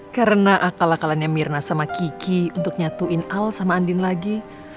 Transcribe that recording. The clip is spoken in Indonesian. karena akal akalannya mirna sama kiki untuk nyatuin al sama andin lagi